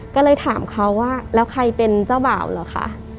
ก็เลยถามเขาว่าแล้วใครเป็นเจ้าบ่าวเหรอคะ